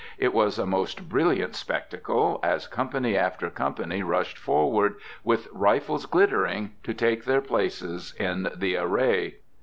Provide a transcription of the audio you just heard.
It was a most brilliant spectacle, as company after company rushed forward, with rifles glittering, to take their places in the array.